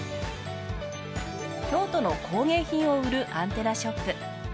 京都の工芸品を売るアンテナショップ。